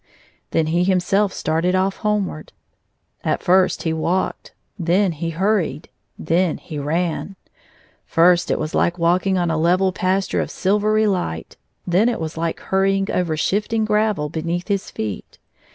Then he himself started off homeward. At first he walked, then he hurried, then he ran. First it was like walking on a level pasture of silvery light, then it was like hurrying over shifting gravel beneath his feet.